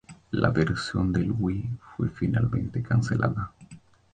La versión de Wii fue finalmente cancelada.